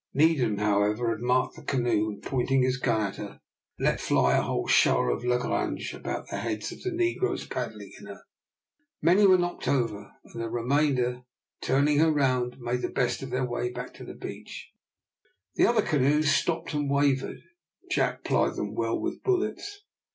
Needham, however, had marked the canoe; and, pointing his gun at her, let fly a whole shower of langrage about the heads of the negroes paddling in her. Many were knocked over; and the remainder, turning her round, made the best of their way to the beach. The other canoes stopped and wavered. Jack plied them well with bullets.